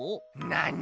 なに？